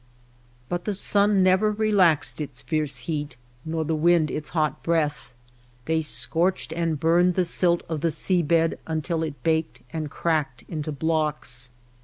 But the sun never relaxed its fierce heat nor the wind its hot breath. They scorched and burned the silt of the sea bed until it baked and cracked into blocks.